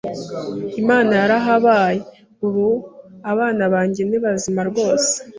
Imana yarahabaye ubu abana banjye ni bazima rwose,